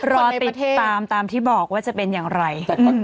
รอติดตามตามที่บอกว่าจะเป็นอย่างไร